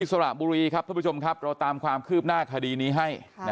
สระบุรีครับทุกผู้ชมครับเราตามความคืบหน้าคดีนี้ให้